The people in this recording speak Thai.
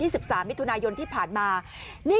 กลุ่มหนึ่งก็คือ